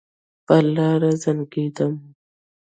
پر لار زنګېدم.